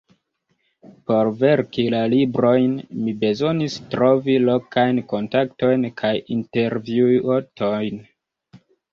Por verki la librojn mi bezonis trovi lokajn kontaktojn kaj intervjuotojn.